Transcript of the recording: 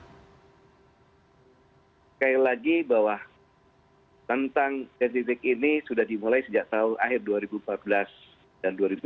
sekali lagi bahwa tentang spesifik ini sudah dimulai sejak tahun akhir dua ribu empat belas dan dua ribu tujuh belas